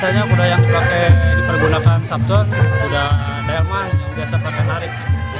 biasanya kuda yang dipakai yang digunakan sabton kuda delman yang biasa pakai narik